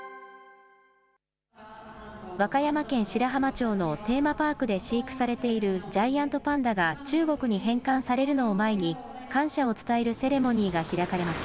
和歌山県白浜町のテーマパークで飼育されているジャイアントパンダが中国に返還されるのを前に、感謝を伝えるセレモニーが開かれました。